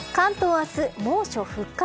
明日、猛暑復活。